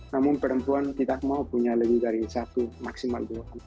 namun perempuan tidak mau punya lebih dari satu maksimal dua anak